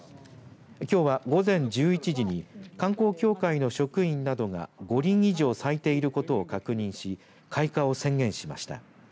きょうは午前１１時に観光協会の職員などが５輪以上咲いていることを確認し開花を宣言しました。